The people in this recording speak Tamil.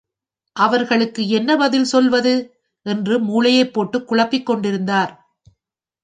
அவர்களுக்கு என்ன பதில் சொல்லுவது? என்று மூளையைப் போட்டுக் குழப்பிக்கொண்டிருந்தார்.